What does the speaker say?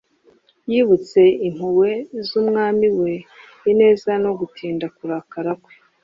yibutse impuhwe z’umwami we, ineza no gutinda kurakara kwe